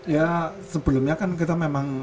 ya sebelumnya kan kita memang